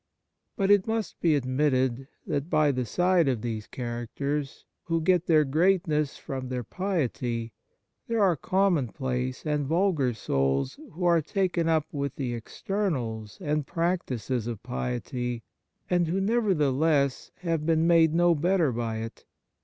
But it must be admitted that by the side of these characters, who get their greatness from their piety, there are commonplace and vulgar souls who are taken up with the externals and practices of piety, and who, nevertheless, have been made no better by it.